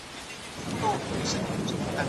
انلاين کورسونه د زده کړې بې نظارت نه وي.